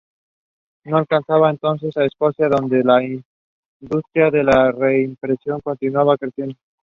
No alcanzaba entonces a Escocia, donde la industria de la reimpresión continuaba creciendo.